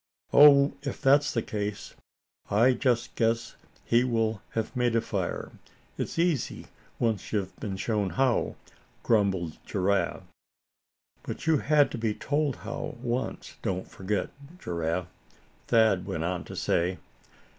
"Oh! if that's the case I just guess he will have made a fire. It's easy, once you've been shown how," grumbled Giraffe. "But you had to be told how, once, don't forget, Giraffe," Thad went on to say.